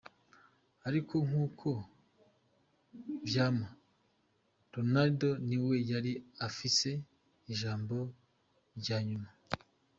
Ariko nk'uko vyama, Ronaldo ni we yari afise ijambo rya nyuma.